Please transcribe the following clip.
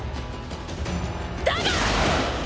だが！